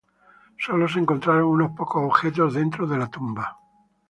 Sólo se encontraron unos pocos objetos dentro de la tumba.